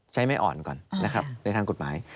ไม่อ่อนก่อนนะครับในทางกฎหมาย